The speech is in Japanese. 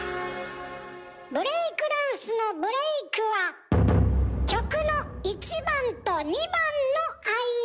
ブレイクダンスの「ブレイク」は曲の１番と２番の間。